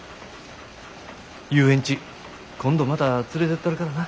遊園地今度また連れてったるからな。